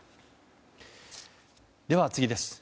では、次です。